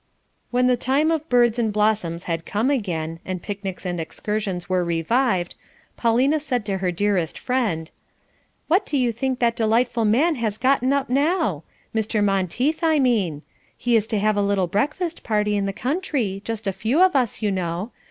When the time of birds and blossoms had come again, and picnics and excursions were revived, Paulina said to her dearest friend: "What do you think that delightful man has gotten up now? Mr. Monteith, I mean. He is to have a little breakfast party in the country just a few of us, you know.